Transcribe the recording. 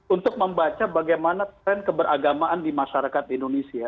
untuk membaca bagaimana tren keberagamaan di masyarakat indonesia